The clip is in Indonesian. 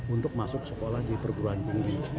untuk masuk sekolah di perguruan tinggi